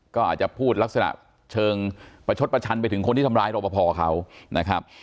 ก็อาจจะพูดลักษณะเชิงประชดประชันไปถึงคนที่ทำร้ายรอปภเขานะครับ